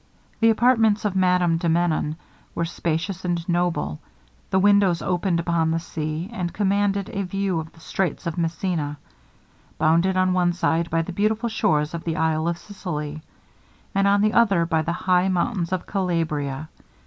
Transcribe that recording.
The apartments of Madame de Menon were spacious and noble. The windows opened upon the sea, and commanded a view of the straits of Messina, bounded on one side by the beautiful shores of the isle of Sicily, and on the other by the high mountains of Calabria.